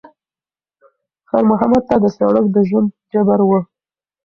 خیر محمد ته سړک د ژوند جبر و.